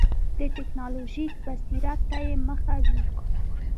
د ټکنالوژیک بصیرت ته یې مخه وي.